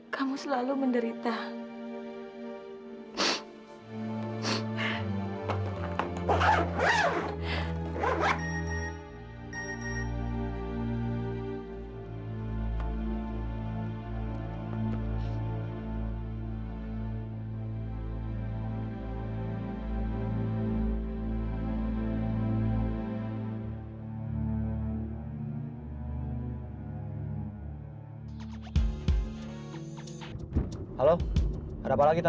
kamu selalu menderita